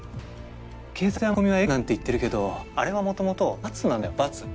警察やマスコミはＸなんて言ってるけどあれはもともとバツなんだよバツ。